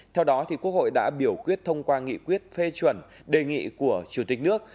theo đó quốc hội đã biểu quyết thông qua nghị quyết phê chuẩn đề nghị của chủ tịch nước